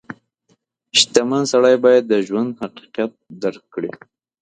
• شتمن سړی باید د ژوند حقیقت درک کړي.